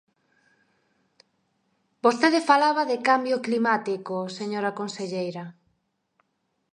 Vostede falaba de cambio climático, señora conselleira.